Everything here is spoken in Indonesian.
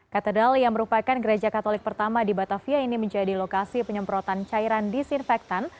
katedral yang merupakan gereja katolik pertama di batavia ini menjadi lokasi penyemprotan cairan disinfektan